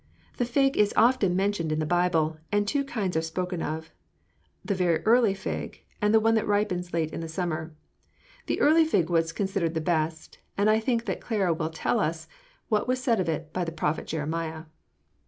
The fig is often mentioned in the Bible, and two kinds are spoken of the very early fig, and the one that ripens late in the summer. The early fig was considered the best; and I think that Clara will tell us what is said of it by the prophet Jeremiah."